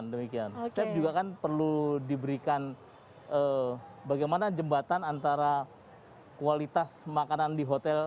demikian chef juga kan perlu diberikan bagaimana jembatan antara kualitas makanan di hotel